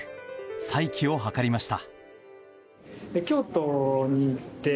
再起を図りました。